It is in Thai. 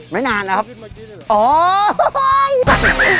ไม่นานเท่าหรอพี่